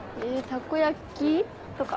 たこ焼き？とか。